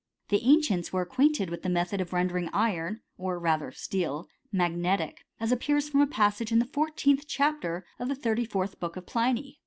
The ancients were acquainted with the method of rendering iron, or rather steel, magnetic ; as appears from a passage in the fourteenth chapter of the thirty* fourth book of Pliny.